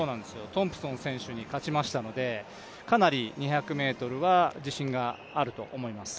トンプソン選手に勝ちましたのでかなり２００ｍは自信があると思います。